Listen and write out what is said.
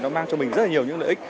nó mang cho mình rất nhiều lợi ích